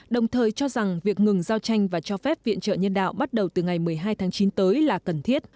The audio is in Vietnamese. đồng thời cho rằng việc ngừng giao tranh và cho phép viện trợ nhân đạo bắt đầu từ ngày một mươi hai tháng chín tới là cần thiết